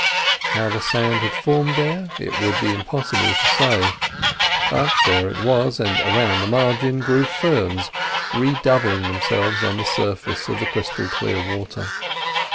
How the sand had formed there, it would be impossible to say; but there it was, and around the margin grew ferns redoubling themselves on the surface of the crystal clear water.